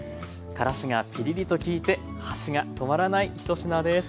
からしがピリリときいて箸が止まらないひと品です。